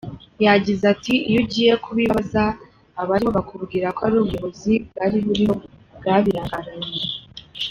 Yagize ati “Iyo ugiye kubibaza, abariho bakubwira ko ari ubuyobozi bwari buriho bwabirangaranye.